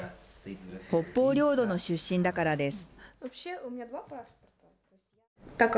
北方領土の出身だからです。